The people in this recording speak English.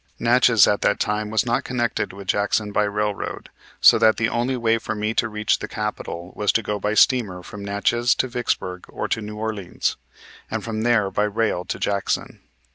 Natchez at that time was not connected with Jackson by railroad, so that the only way for me to reach the capital was to go by steamer from Natchez to Vicksburg or to New Orleans, and from there by rail to Jackson.